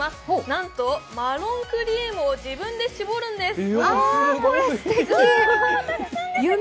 なんとマロンクリームを自分でしぼるんです。